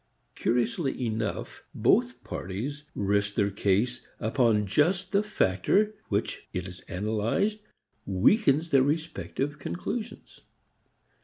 Curiously enough both parties rest their case upon just the factor which when it is analyzed weakens their respective conclusions.